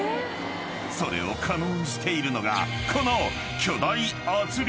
［それを可能にしているのがこの］